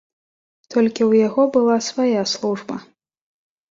Толькі ў яго была свая служба.